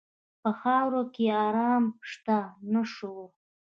په خاوره کې آرام شته، نه شور.